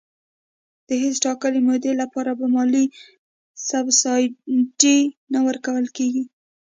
د هیڅ ټاکلي مودې لپاره به مالي سبسایډي نه ورکول کېږي.